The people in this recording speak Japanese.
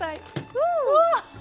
うわ！